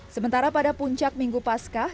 sementara pada puncak minggu paskah